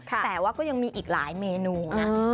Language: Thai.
แต่ว่าก็ยังมีอีกหลายเมนูนะ